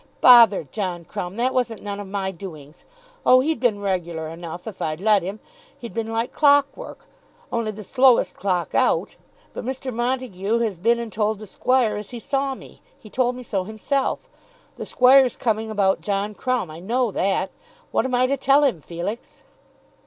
"Bother John Crumb! That wasn't none of my doings. Oh, he'd been regular enough, if I'd let him; he'd been like clockwork, only the slowest clock out. But Mr. Montague has been and told the Squire as he saw me. He told me so himself. The Squire's coming about John Crumb. I know that. What am I to tell him, Felix?"